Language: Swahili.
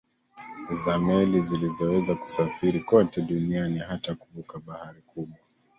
za meli zilizoweza kusafiri kote duniani hata kuvuka bahari kubwa